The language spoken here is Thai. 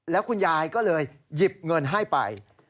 แล้วคุณยายก็เลยหยิบเงินให้ไป